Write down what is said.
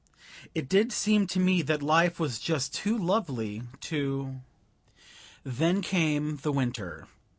It did seem to me that life was just too lovely to Then came the winter.